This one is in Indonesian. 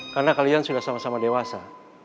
karena kalian sudah sama sama dewasa